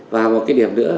và một cái điểm nữa